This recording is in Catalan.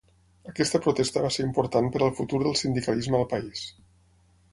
Aquesta protesta va ser important per al futur del sindicalisme al país.